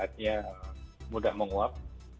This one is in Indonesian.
artinya mudah menguap